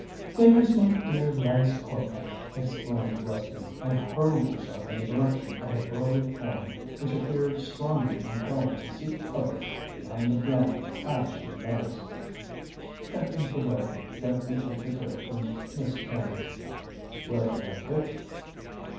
"There's my dear Lance Corporal!" exclaimed Lesbia, and hurled herself in the direction of a burly form which appeared strongly impelled to seek cover behind the piano as she advanced. Captain Trevellyan gently took the tray from Miss Jones. "Where shall I take it?"